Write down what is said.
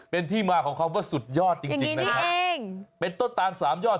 เป็นที่มาของเขาว่าสุดยอดจริงนะครับเป็นต้นตาน๓ยอด